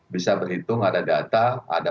bisa berhitung ada data ada